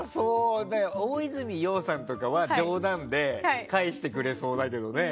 大泉洋さんとかは冗談で返してくれそうだけどね。